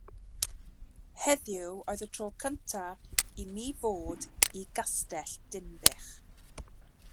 Heddiw oedd y tro cynta' i mi fod i Gastell Dinbych.